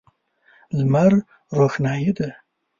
لمر روښنايي ده.